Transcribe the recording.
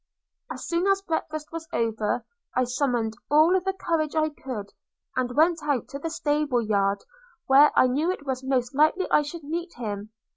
As soon as breakfast was over, I summoned all the courage I could, and went out to the stable yard, where I knew it was most likely I should meet him.